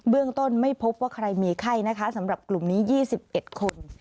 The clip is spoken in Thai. เรื่องต้นไม่พบว่าใครมีไข้นะคะสำหรับกลุ่มนี้๒๑คน